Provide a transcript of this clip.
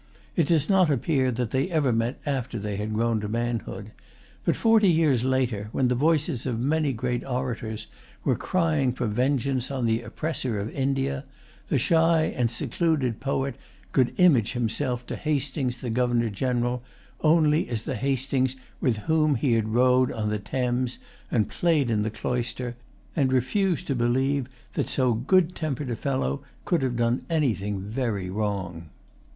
It does not appear that they ever met after they had grown to manhood. But forty years later, when the voices of many great orators were crying for vengeance on the oppressor of India, the shy and secluded poet could image to himself Hastings the Governor General only as the Hastings with whom he had rowed on the Thames and played in the cloister, and refused to believe that so[Pg 118] good tempered a fellow could have done anything very wrong.